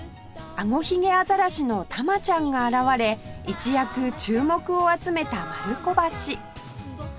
アゴヒゲアザラシのタマちゃんが現れ一躍注目を集めた丸子橋